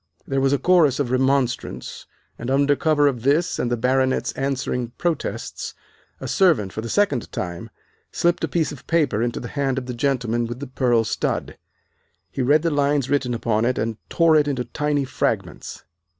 There was a chorus of remonstrance, and under cover of this and the Baronet's answering protests a servant for the second time slipped a piece of paper into the hand of the gentleman with the pearl stud. He read the lines written upon it and tore it into tiny fragments.